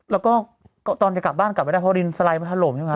แล้วก็ตอนจะกลับบ้านกลับไม่ได้เพราะดินสไลด์มันถล่มใช่ไหม